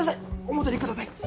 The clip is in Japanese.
お戻りください。